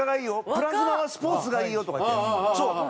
「プラズマはスポーツがいいよ！」とか言って。